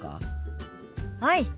はい。